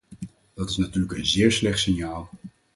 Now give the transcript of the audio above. Dit is natuurlijk een zeer slecht signaal.